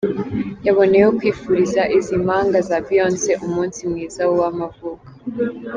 Yanaboneyeho kwifuriza izi mpanga za Beyonce umunsi mwiza w’amavuko.